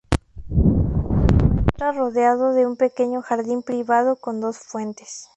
Se encuentra rodeado de un pequeño jardín privado con dos fuentes.